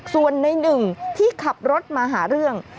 ส่วนในหนึ่งที่ขับรถมาหาเรื่อง